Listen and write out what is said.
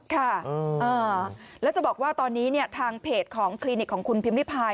ค่ะแล้วจะบอกว่าตอนนี้ทางเพจของคลินิกของคุณพิมพิพาย